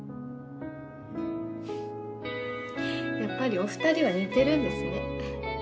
フッやっぱりお二人は似てるんですね。